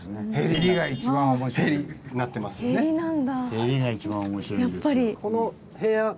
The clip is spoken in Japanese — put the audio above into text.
ヘリが一番面白いんですよ。